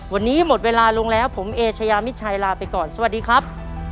วันนี้หมดเวลาลงแล้วผมเอเชยามิดชัยลาไปก่อนสวัสดีครับ